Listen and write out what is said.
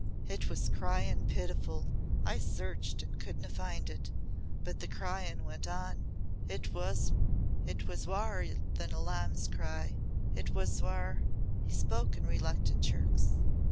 It was cryin' pitifu'. I searched an' couldna find it. But the cryin' went on. It was waur than a lamb's cry It was waur " he spoke in reluctant jerks.